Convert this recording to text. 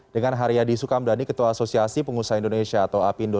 dengan haryadi sukamdhani ketua asosiasi pengusaha indonesia atau apindo